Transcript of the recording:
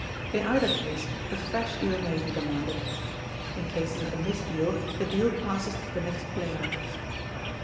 In either case, a fresh deal may be demanded. [In cases of a misdeal, the deal passes to the next player.